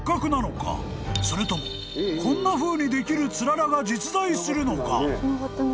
［それともこんなふうにできるつららが実在するのか？］